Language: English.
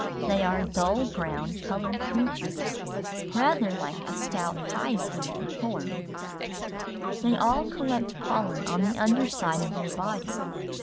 They are dull brown coloured creatures rather like a stout hive bee in form (pl. C, 20). They all collect pollen on the underside of their body.